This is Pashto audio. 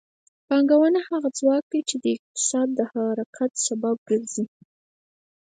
پانګونه هغه ځواک دی چې د اقتصاد د حرکت سبب ګرځي.